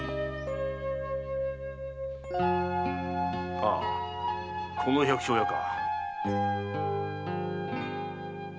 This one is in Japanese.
ああこの百姓家か。